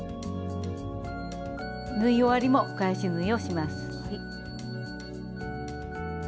縫い終わりも返し縫いをします。